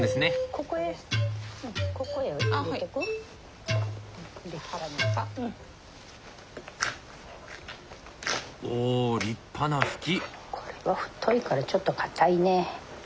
これは太いからちょっと硬いね。